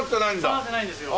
刺さってないんですよ。